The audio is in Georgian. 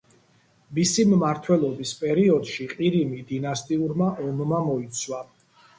მისი მმართველობის პერიოდში ყირიმი დინასტიურმა ომმა მოიცვა.